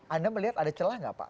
anda melihat ada celah nggak pak